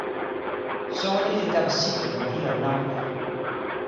soweli li tawa sike lon ilo nanpa.